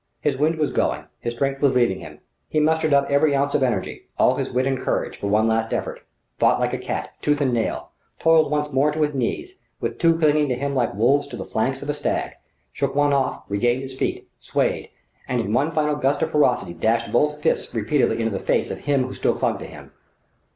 His wind was going, his strength was leaving him. He mustered up every ounce of energy, all his wit and courage, for one last effort: fought like a cat, tooth and nail; toiled once more to his knees, with two clinging to him like wolves to the flanks of a stag; shook one off, regained his feet, swayed; and in one final gust of ferocity dashed both fists repeatedly into the face of him who still clung to him.